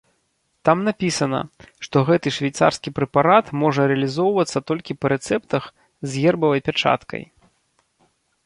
Там напісана, што гэты швейцарскі прэпарат можа рэалізоўвацца толькі па рэцэптах з гербавай пячаткай.